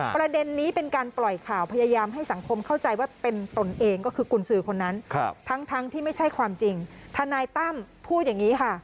ประเด็นนี้เป็นการปล่อยข่าวพยายามให้สังคมเข้าใจว่าเป็นตนเอง